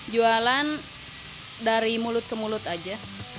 jualan dari mulut ke mulut aja